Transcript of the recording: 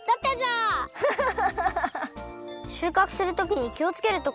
しゅうかくするときにきをつけるところはなんですか？